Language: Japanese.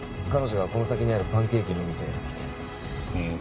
彼女がこの先にあるパンケーキのお店が好きで。